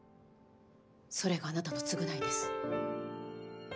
それがあなたの償いです。